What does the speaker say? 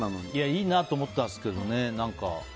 いいなと思ったんですけどね。